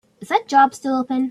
Is that job still open?